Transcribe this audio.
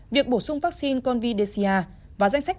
việc bổ sung vaccine convidesia và danh sách covid một mươi chín